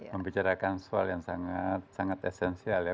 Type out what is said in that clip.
membicarakan soal yang sangat sangat esensial ya